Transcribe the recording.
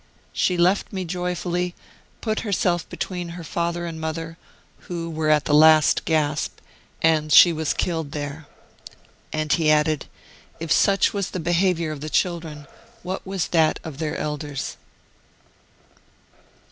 She left Martyred Armenia 41 me joyfully, put herself between her father and mother, who were at the last gasp, and she was killed there." And he added: "If such was the behaviour of the children, what was that of their elders?"